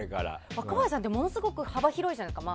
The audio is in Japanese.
若林さんってものすごく幅広いじゃないですか。